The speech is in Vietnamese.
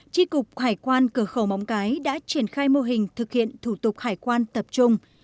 tri cục hải quan cửa khẩu móng cái đã triển khai mô hình thực hiện thủ tục hải quan tập trung